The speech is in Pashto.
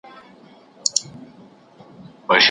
د ښه پلان له مخي به زموږ اقتصاد پرمختګ وکړي.